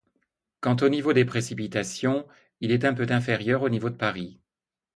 Quant au niveau des précipitations, il est un peu inférieur au niveau de Paris.